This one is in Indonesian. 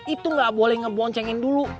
itu gak boleh ngeboncengin dulu